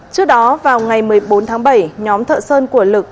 trước đó vào ngày một mươi bốn tháng bảy nhóm thợ sơn của lực